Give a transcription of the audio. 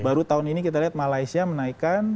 baru tahun ini kita lihat malaysia menaikkan